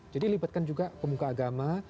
jadi libatkan juga pemuka agama